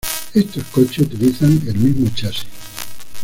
Estos coches utilizan el mismo chasis.